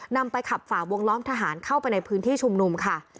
นำไปขับฝ่าวงล้อมทหารเข้าไปในพื้นที่ชุมนุมค่ะ